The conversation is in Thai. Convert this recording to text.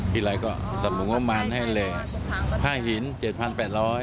ทีนายก็สั่งงงงมานให้เลยผ้าหิน๗๘๐๐บาท